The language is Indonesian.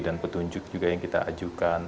dan petunjuk juga yang kita ajukan